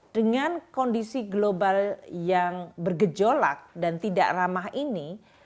dengan kondisi global yang bergejolak dan tidak ramah ini